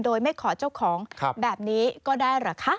โดยไม่ขอเจ้าของแบบนี้ก็ได้เหรอคะ